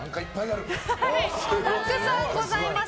たくさんございます。